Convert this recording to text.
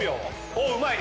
おっうまい。